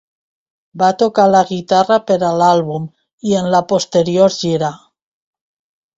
Va tocar la guitarra per a l'àlbum i en la posterior gira.